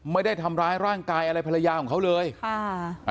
ไม่ได้ทำร้ายร่างกายอะไรภรรยาของเขาเลยค่ะ